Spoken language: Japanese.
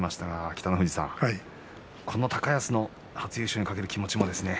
北の富士さん、この高安初優勝に懸ける気持ちもですね